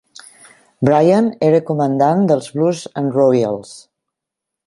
Bryan era comandant del Blues and Royals.